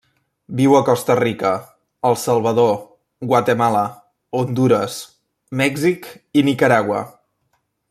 Viu a Costa Rica, El Salvador, Guatemala, Hondures, Mèxic i Nicaragua.